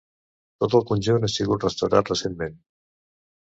Tot el conjunt ha sigut restaurat recentment.